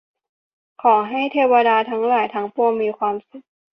ขอให้เทวดาทั้งหลายทั้งปวงมีความสุข